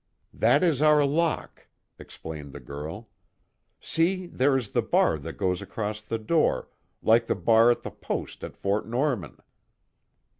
"That is our lock," explained the girl. "See, there is the bar that goes across the door, like the bar at the post at Fort Norman.